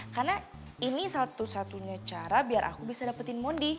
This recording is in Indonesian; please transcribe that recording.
karena ini satu satunya cara biar aku bisa dapetin monde